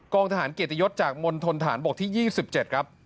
กองทหารเกตยศจากมณฑนฐานบกที่๒๗ครับ